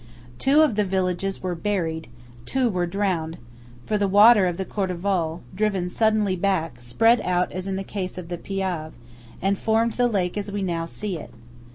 Two of the villages were buried, two were drowned; for the water of the Cordevole, driven suddenly back, spread out as in the case of the Piave, and formed the lake as we now see it.